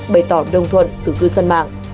bày tỏ đồng thuận từ cư dân mạng